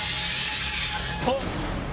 あっ！